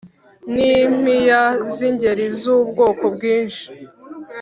N'impiya z'ingeri z'ubwoko bwinshi